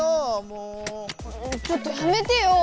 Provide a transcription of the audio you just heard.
ちょっとやめてよお。